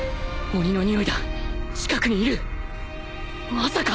まさか！？